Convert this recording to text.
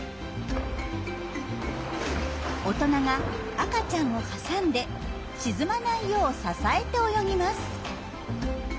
大人が赤ちゃんを挟んで沈まないよう支えて泳ぎます。